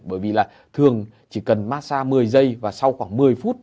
bởi vì là thường chỉ cần massage một mươi giây và sau khoảng một mươi phút